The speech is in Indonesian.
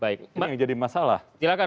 itu yang jadi masalah